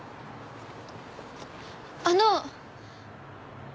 あの。